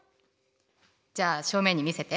じゃあ正面に見せて。